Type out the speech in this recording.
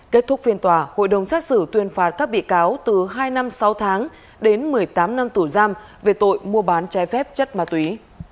kết thúc phiên tòa hội đồng xét xử tuyên phạt các bị cáo từ hai năm sáu tháng đến một mươi tám năm tù giam về tội mua bán trái phép chất ma túy